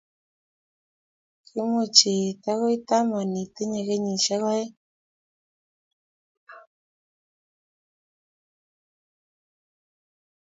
kimuch iit akoi taman Itinye kenyishek aeng